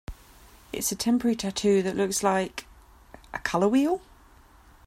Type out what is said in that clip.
It's a temporary tattoo that looks like... a color wheel?